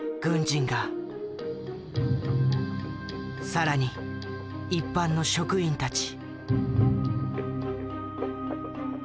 更に一般の職員たち。